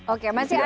oke masih ada